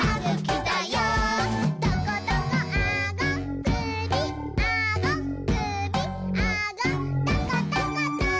「トコトコあごくびあごくびあごトコトコト」